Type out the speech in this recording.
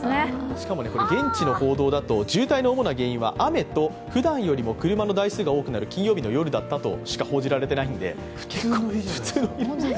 しかも、現地の報道だと渋滞の主な原因は雨とふだんよりも車の台数が多くなる金曜日の夜だということしか報じられていなくて。